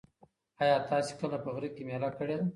ایا تاسي کله په غره کې مېله کړې ده؟